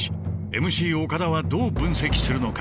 ＭＣ岡田はどう分析するのか？